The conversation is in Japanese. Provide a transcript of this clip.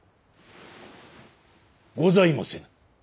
ございませぬ。